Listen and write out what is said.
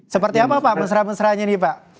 seperti apa pak mesra mesranya nih pak